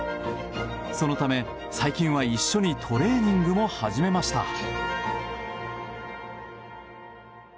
そのため、最近は一緒にトレーニングも始めました。